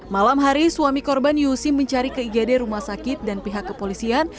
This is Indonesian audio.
malam hari suami korban yusi mencari ke igd rumah sakit dan pihak kepolisian